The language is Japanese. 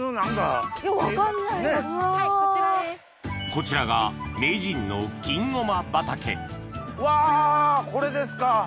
こちらが名人のうわこれですか！